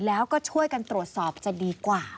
แล้วก็ช่วยกันตรวจสอบจะดีกว่า